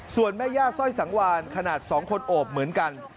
ส่วนแม่ย่าสร้อยสังวานขนาด๒คนโอบเหมือนกัน